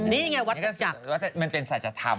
นี่ไงวัดจากมันเป็นสัชทำ